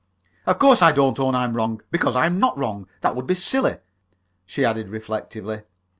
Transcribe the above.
"Of course I don't own I'm wrong, because I'm not wrong! That would be silly!" she added, reflectively.